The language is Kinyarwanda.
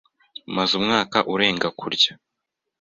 Maze umwaka urenga kurya.